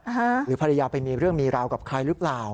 หรือภรรยาไปมีเรื่องมีราวกับใครหรือเปล่า